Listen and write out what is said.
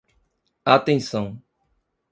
Atenção!